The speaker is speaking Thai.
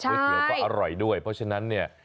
เตี๋ยวก็อร่อยด้วยเพราะฉะนั้นเนี่ย